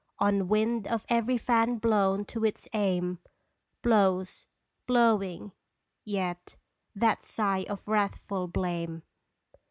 On wind of every fan blown to its aim, Blows, blowing yet, that sigh of wrathful blame